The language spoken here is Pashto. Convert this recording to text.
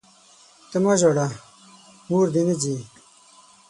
ته مه ژاړه ، موردي نه ځي!